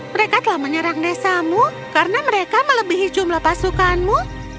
mereka telah menyerang desamu karena mereka melebihi jumlah pasukanmu